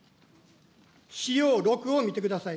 資料６を見てください。